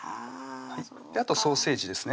あとソーセージですね